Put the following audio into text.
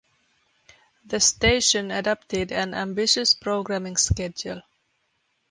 The station adopted an ambitious programming schedule.